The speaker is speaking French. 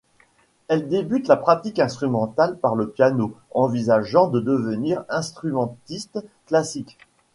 Elle débute la pratique instrumentale par le piano, envisageant de devenir instrumentiste classique.